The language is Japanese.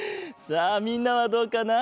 さあみんなはどうかな？